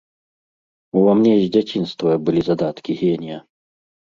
Ува мне з дзяцінства былі задаткі генія.